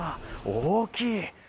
大きい！